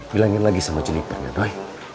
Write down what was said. bilangin lagi sama jenipannya doi